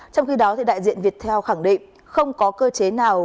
trong khi đó đại diện viettel khẳng định không có cơ chế nào